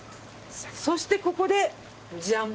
そしてここでジャン！